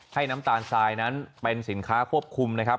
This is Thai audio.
น้ำตาลทรายนั้นเป็นสินค้าควบคุมนะครับ